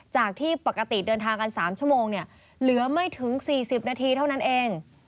จากที่ปกติเดินทางกัน๓ชั่วโมงเนี่ยเหลือไม่ถึง๔๐นาทีเท่านั้นเอง